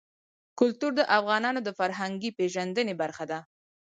کلتور د افغانانو د فرهنګي پیژندنې برخه ده.